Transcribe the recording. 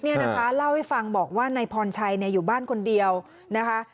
นะคะเล่าให้ฟังบอกว่านายพรชัยอยู่บ้านคนเดียวนะคะ